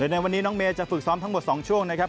ในวันนี้น้องเมย์จะฝึกซ้อมทั้งหมด๒ช่วงนะครับ